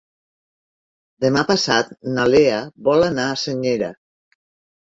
Demà passat na Lea vol anar a Senyera.